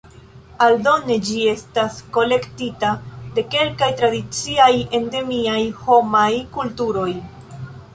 Aldone, ĝi estas kolektita de kelkaj tradiciaj endemiaj homaj kulturoj.